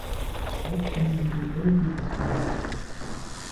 Auch individuell wird es genutzt.